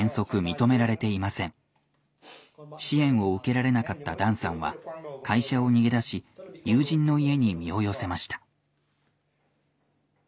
支援を受けられなかったダンさんは会社を逃げ出し友人の家に身を寄せました。